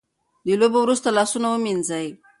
د لوبو وروسته لاسونه ومینځئ.